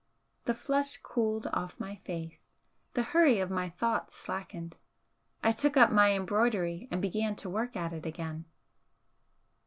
The flush cooled off my face, the hurry of my thoughts slackened, I took up my embroidery and began to work at it again.